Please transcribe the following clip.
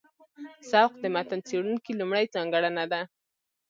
ذوق د متن څېړونکي لومړۍ ځانګړنه ده.